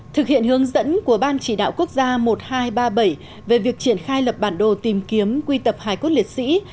thực hiện hướng dẫn của ban chỉ đạo quốc gia một nghìn hai trăm ba mươi bảy về việc triển khai lập bản đồ tìm kiếm quy tập hải quốc liệt sĩ